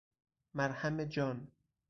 مرهم جان